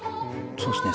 そうですね。